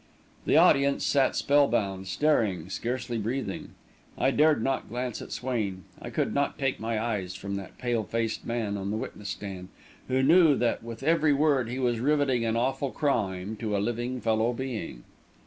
The audience sat spell bound, staring, scarce breathing. I dared not glance at Swain. I could not take my eyes from that pale faced man on the witness stand, who knew that with every word he was riveting an awful crime to a living fellow being.